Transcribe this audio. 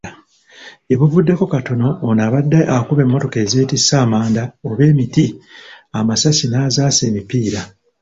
Gyebuvuddeko katono, ono abadde akuba emmotoka ezeetisse amanda oba emiti, amasasi n'azaasa emipiira.